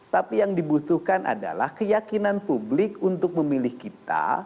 tapi yang dibutuhkan adalah keyakinan publik untuk memilih kita